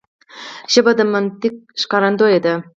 ژبه د منطق ښکارندوی ده